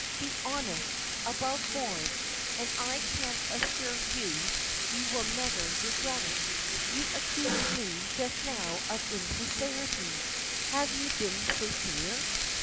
Be honest, above board, and, I can assure you, you will never regret it. You accused me just now of insincerity. Have you been sincere?"